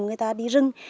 người ta đi rưng